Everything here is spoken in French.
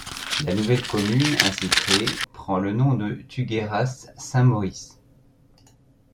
La nouvelle commune ainsi créée prend le nom de Tugéras-Saint-Maurice.